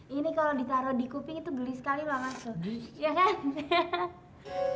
ini kalau ditaruh di kuping itu geli sekali banget tuh